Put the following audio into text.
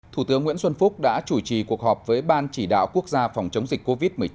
thủ tướng nguyễn xuân phúc đã chủ trì cuộc họp với ban chỉ đạo quốc gia phòng chống dịch covid một mươi chín